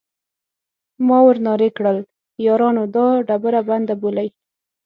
ما ور نارې کړل: یارانو دا ډبره بنده بولئ.